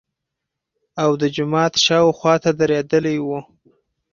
او د جومات شاوخواته درېدلي وو.